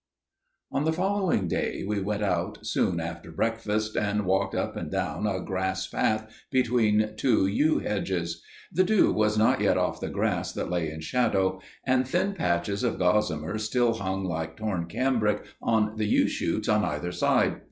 _ The Watcher ON the following day we went out soon after breakfast and walked up and down a grass path between two yew hedges; the dew was not yet off the grass that lay in shadow; and thin patches of gossamer still hung like torn cambric on the yew shoots on either side.